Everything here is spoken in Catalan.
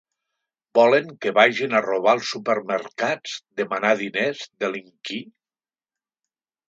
Volen que vagin a robar als supermercats, demanar diners, delinquir?